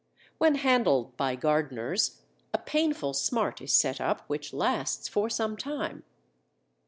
When handled by gardeners a painful smart is set up which lasts for some time.